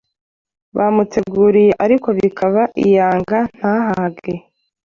bamuteguriye ariko bikaba iyanga, ntahage !